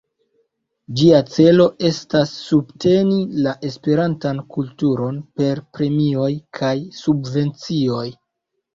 Ĝia celo estas subteni la esperantan kulturon per premioj kaj subvencioj.